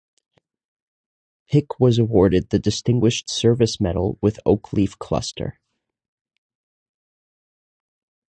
Pick was awarded the Distinguished Service Medal with Oak Leaf Cluster.